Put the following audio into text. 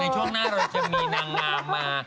ช่วงหน้าเราจะมีนางงามมา